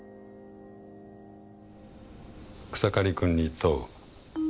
「草刈くんに問う。